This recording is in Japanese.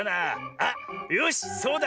あっよしそうだ！